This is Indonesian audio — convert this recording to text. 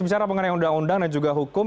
bicara mengenai undang undang dan juga hukum